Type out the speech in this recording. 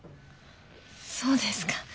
そうですか。